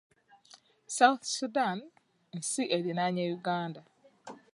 South Sudan nsi erinaanye Uganda.